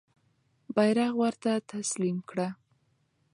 بیرغ ورته تسلیم کړه.